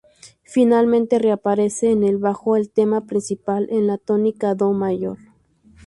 Finalmente reaparece en el bajo el tema principal, en la tónica "do" mayor.